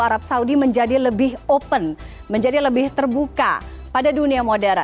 arab saudi menjadi lebih open menjadi lebih terbuka pada dunia modern